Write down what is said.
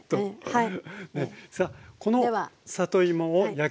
はい。